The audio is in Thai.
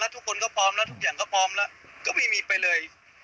ทุกคนก็พร้อมแล้วก็ไม่มีไปเลย